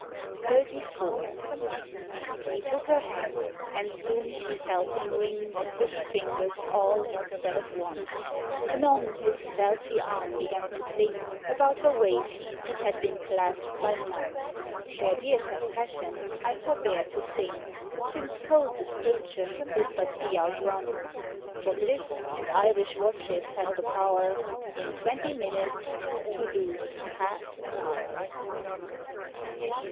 XXXIV. He took her hand, and soon she felt him wring The pretty fingers all instead of one; Anon his stealthy arm began to cling About her waist that had been clasp'd by none, Their dear confessions I forbear to sing, Since cold description would but be outrun; For bliss and Irish watches have the pow'r, In twenty minutes, to lose half an hour!